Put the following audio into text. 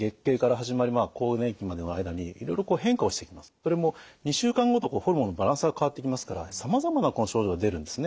それも２週間ごとホルモンのバランスが変わっていきますからさまざまな症状が出るんですね。